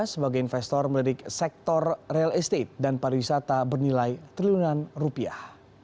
sebagai investor melirik sektor real estate dan pariwisata bernilai triliunan rupiah